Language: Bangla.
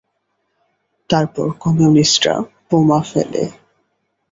তারপর কমিউনিস্টরা বোমা ফেলে।